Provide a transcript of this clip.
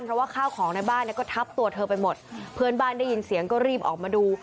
เพราะว่าข้าวของในบ้านเนี่ยก็ทับตัวเธอไปหมดเพื่อนบ้านได้ยินเสียงก็รีบออกมาดู